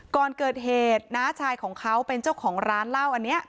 ก่อนเกิดเหตุน้าชายของเขาเป็นเจ้าของร้านเหล้าอันนี้